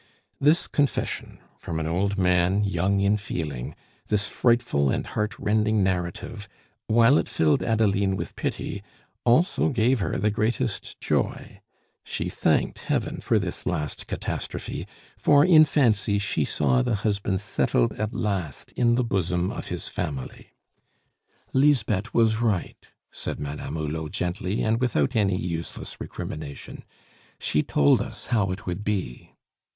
This confession from an old man young in feeling, this frightful and heart rending narrative, while it filled Adeline with pity, also gave her the greatest joy; she thanked Heaven for this last catastrophe, for in fancy she saw the husband settled at last in the bosom of his family. "Lisbeth was right," said Madame Hulot gently and without any useless recrimination, "she told us how it would be."